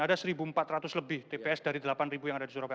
ada satu empat ratus lebih tps dari delapan yang ada di surabaya